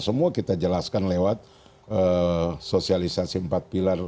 semua kita jelaskan lewat sosialisasi empat pilar